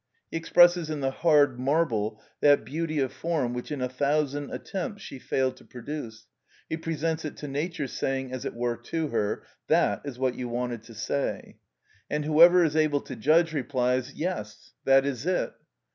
He expresses in the hard marble that beauty of form which in a thousand attempts she failed to produce, he presents it to nature, saying, as it were, to her, "That is what you wanted to say!" And whoever is able to judge replies, "Yes, that is it."